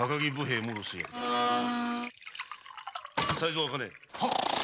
才三茜。